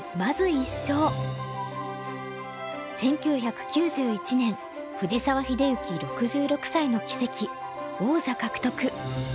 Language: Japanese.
１９９１年藤沢秀行６６歳の奇跡王座獲得。